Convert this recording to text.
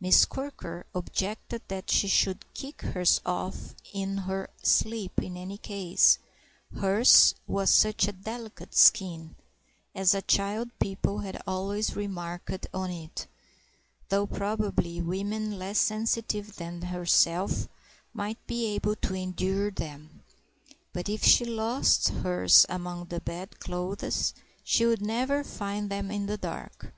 Miss Quirker objected that she should kick hers off in her sleep in any case, hers was such a delicate skin (as a child people had always remarked on it), though probably women less sensitive than herself might be able to endure them. But if she lost hers among the bedclothes she would never find them in the dark.